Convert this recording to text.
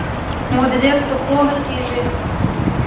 مدیریت په پوهه کیږي.